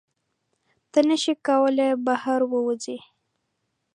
ته نشې کولی بهر ووځې.